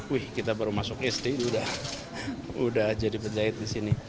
wih kita baru masuk sd sudah jadi penjahit disini